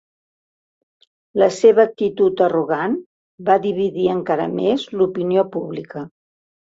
La seva actitud arrogant va dividir encara més l'opinió pública.